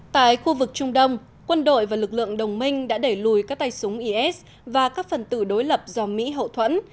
tại khu vực trung đông quân đội và lực lượng đồng minh đã đẩy lùi các tay súng is và các phần tử đối lập do mỹ hậu thuẫn